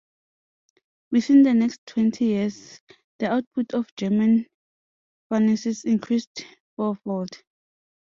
Within the next twenty years the output of German furnaces increased fourfold.